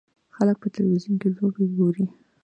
خلک په تلویزیون کې لوبې ګوري.